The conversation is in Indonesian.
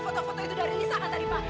foto foto itu dari lisa kan tadi pak